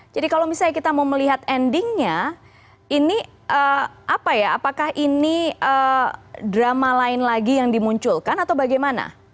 kalau misalnya kita mau melihat endingnya ini apa ya apakah ini drama lain lagi yang dimunculkan atau bagaimana